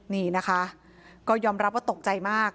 นี่นะคะก็ยอมรับว่าตกใจมาก